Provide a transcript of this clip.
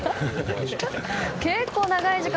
結構長い時間。